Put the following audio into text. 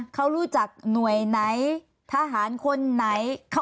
ตอนที่จะไปอยู่โรงเรียนจบมไหนคะ